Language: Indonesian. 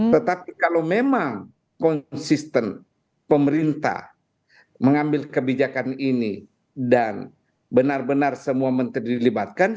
tetapi kalau memang konsisten pemerintah mengambil kebijakan ini dan benar benar semua menteri dilibatkan